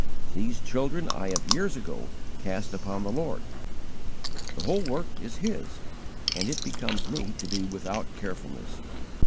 These children I have years ago cast upon the Lord. The whole work is His, and it becomes me to be without carefulness.